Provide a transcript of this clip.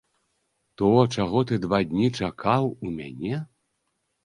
То чаго ты два дні чакаў у мяне?